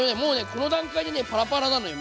この段階でねパラパラなのよ